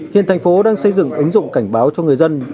hiện thành phố đang xây dựng ứng dụng cảnh báo cho người dân